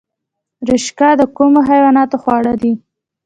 رشقه د کومو حیواناتو خواړه دي؟